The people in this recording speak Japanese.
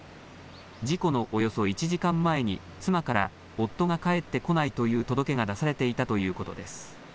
事故のおよそ１時間前に妻から夫が帰ってこないという届けが出されていたということです。